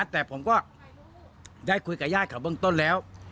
แต่ผมก็ได้คุยกับญาติเขาเบื้องต้นแล้ว